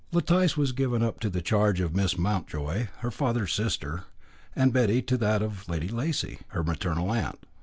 Letice was given up to the charge of Miss Mountjoy, her father's sister, and Betty to that of Lady Lacy, her maternal aunt.